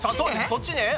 そっちね。